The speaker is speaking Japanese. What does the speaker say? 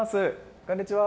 こんにちは。